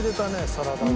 サラダ油。